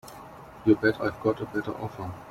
You bet I've got a better offer.